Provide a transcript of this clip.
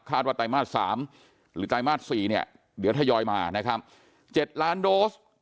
ว่าไตรมาส๓หรือไตรมาส๔เนี่ยเดี๋ยวทยอยมานะครับ๗ล้านโดส